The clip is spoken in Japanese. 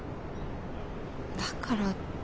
だからって。